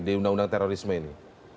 di undang undang terorisme ini